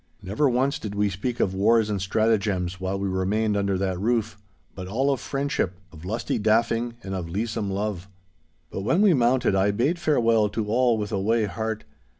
Never once did we speak of wars and stratagems while we remained under that roof, but all of friendship, of lusty daffing, and of leasome love. But when we mounted I bade farewell to all with a wae heart.